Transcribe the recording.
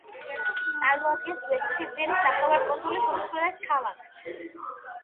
წარმოადგენს ვესტფირდირის ნახევარკუნძულის უმსხვილეს ქალაქს.